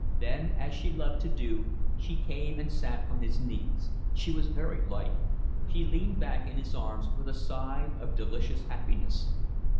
Then, as she loved to do, she came and sat on his knees. She was very light. She leaned back in his arms with a sigh of delicious happiness.